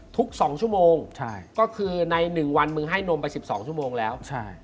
ทุก๒ชั่วโมงก็คือใน๑วันมึงให้นมไป๑๒ชั่วโมงแล้ว